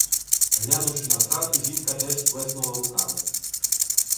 Глянувши на втрату, жінка теж сплеснула руками.